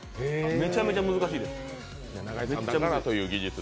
めちゃめちゃ難しいです。